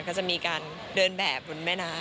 ก็จะมีการเดินแบบบนแม่น้ำ